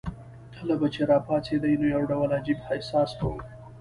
کله چې به راپاڅېدې نو یو ډول عجیب احساس به وو.